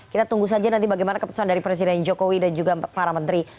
kita tunggu saja nanti bagaimana keputusan dari presiden jokowi dan juga para menteri